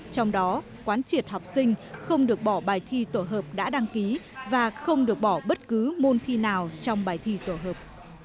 trong đó quán triệt học sinh không được bỏ bài thi tổ hợp đã đăng ký và không được bỏ bất cứ môn thi nào trong bài thi tổ hợp